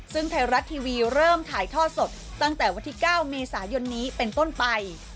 ซึ่งไทยรัฐทีวีเริ่มถ่ายท่อสดตั้งแต่วันที่๙เมษายนนี้เป็นต้นไป